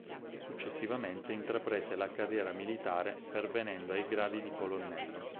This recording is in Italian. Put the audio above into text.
Successivamente intraprese la carriera militare pervenendo ai gradi di colonnello.